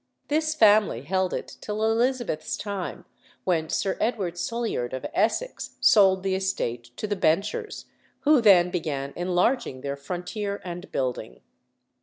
This family held it till Elizabeth's time, when Sir Edward Sulyard, of Essex, sold the estate to the Benchers, who then began enlarging their frontier and building.